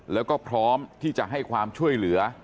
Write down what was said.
แล้วก็พร้อมที่จะให้ความช่วยเหลือ